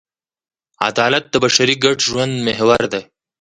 عدالت د بشري ګډ ژوند محور دی.